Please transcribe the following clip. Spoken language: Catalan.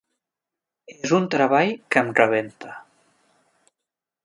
És un treball que em rebenta.